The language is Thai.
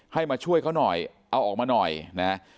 มาช่วยเขาหน่อยเอาออกมาหน่อยนะ